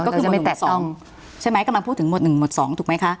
ก็คือหมดหนึ่งหมดสองใช่ไหมกำลังพูดถึงหมดหนึ่งหมดสองถูกไหมคะ